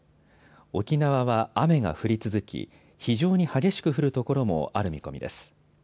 沖縄は雨が降り続き非常に激しく降る所もある見込みです。